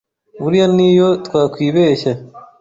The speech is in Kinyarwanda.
Buriya n’iyo twakwibeshya